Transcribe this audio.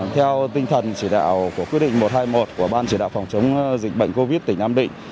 theo tinh thần chỉ đạo của quyết định một trăm hai mươi một của ban chỉ đạo phòng chống dịch bệnh covid tỉnh nam định